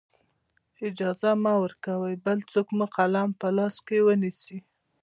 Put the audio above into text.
اجازه مه ورکوئ بل څوک مو قلم په لاس کې ونیسي.